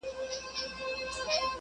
¬ ساندي هم خوشاله زړه غواړي.